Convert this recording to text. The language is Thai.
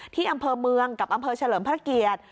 ที่อำเภอเมืองกับอำเภอเฉลิมพระเกียรติ